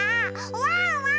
ワンワーン！